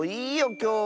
きょうは。